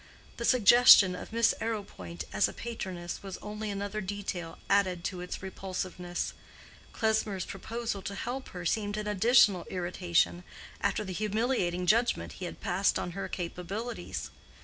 The suggestion of Miss Arrowpoint as a patroness was only another detail added to its repulsiveness: Klesmer's proposal to help her seemed an additional irritation after the humiliating judgment he had passed on her capabilities.